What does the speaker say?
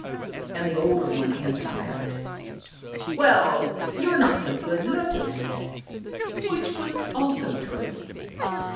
And the older one answered back, "Well, you're not so good looking" (which was also true).